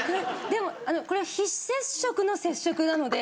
でもこれは非接触の接触なので。